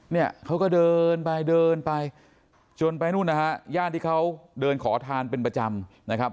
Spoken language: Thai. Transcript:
เนี่ยเขาก็เดินไปเดินไปจนไปนู่นนะฮะย่านที่เขาเดินขอทานเป็นประจำนะครับ